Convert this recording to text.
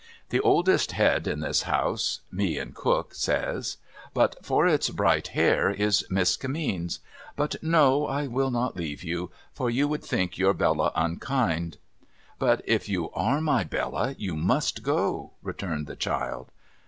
The oldest head in this house (me and Cook says), but for its bright hair, is Miss Kinimeens. But no, I will not leave you; for you would think your Hella unkind.' ' But if you are my Bella, you must go,' returned the child.